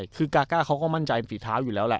คือกาก้าเขาก็มั่นใจฝีเท้าอยู่แล้วแหละ